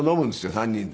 ３人で。